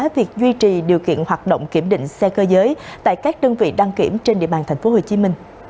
việc duy trì điều kiện hoạt động kiểm định xe cơ giới tại các đơn vị đăng kiểm trên địa bàn tp hcm